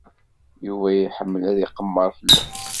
Yuba iḥemmel ad iqemmer fell-as.